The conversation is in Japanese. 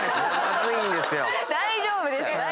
大丈夫です！